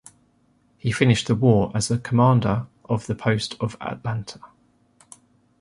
He finished the war as the commander of the Post of Atlanta.